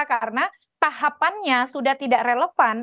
karena tahapannya sudah tidak relevan